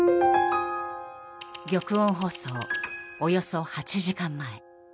玉音放送およそ８時間前。